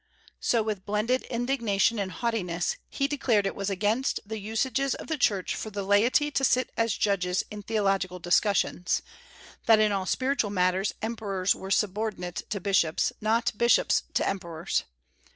So, with blended indignation and haughtiness, he declared it was against the usages of the Church for the laity to sit as judges in theological discussions; that in all spiritual matters emperors were subordinate to bishops, not bishops to emperors.